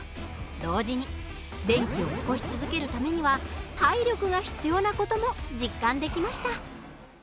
同時に電気を起こし続けるためには体力が必要な事も実感できました。